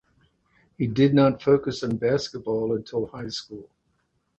He did not focus on basketball until high school.